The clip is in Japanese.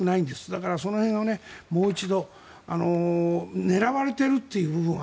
だからその辺をもう一度狙われているっていう部分は